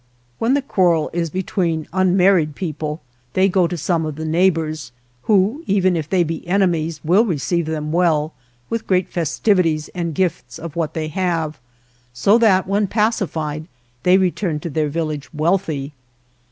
When the quarrel is between unmarried people they go to some of the neighbors, who, even if they be enemies, will receive them well, with great festivities and gifts of what they have, so that, when pacified, they return to their village wealthy.